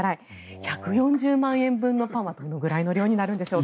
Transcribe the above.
１４０万円分のパンはどれくらいの量になるんでしょうか。